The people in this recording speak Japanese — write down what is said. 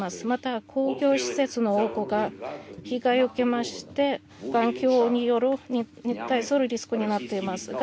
また、工業施設の多くが被害を受けまして、環境に対するリスクになっています。